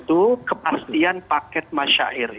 yaitu kepastian paket masyair